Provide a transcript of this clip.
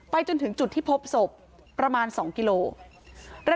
จนถึงจุดที่พบศพประมาณ๒กิโลกรัม